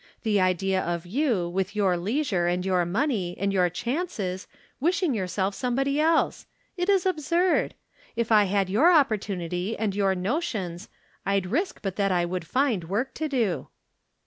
The idea of you, with your lei sure, and your money, and your chances, wishing yourself somebody else ! It is absurd. If I had your opportunity and your notions I'd risk but that I would find work to do."